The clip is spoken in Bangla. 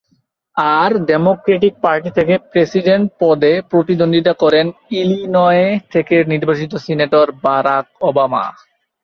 আর ডেমোক্র্যাটিক পার্টি থেকে প্রেসিডেন্ট পদে প্রতিদ্বন্দ্বিতা করেন ইলিনয় থেকে নির্বাচিত সিনেটর বারাক ওবামা।